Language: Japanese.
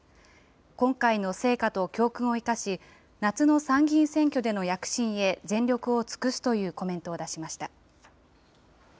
今回の成果と教訓を生かし、夏の参議院選挙での躍進へ全力を尽くすというコメントを出しました。